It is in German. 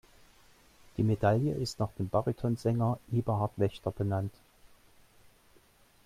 Die Medaille ist nach dem Bariton-Sänger Eberhard Waechter benannt.